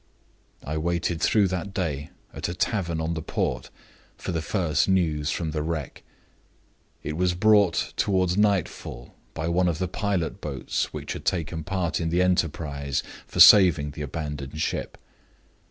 "I waited through that day at a tavern on the port for the first news from the wreck. It was brought toward night fall by one of the pilot boats which had taken part in the enterprise a successful enterprise, as the event proved for saving the abandoned ship.